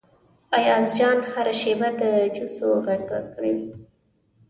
ایاز جان هره شیبه د جوسو غږ وکړي.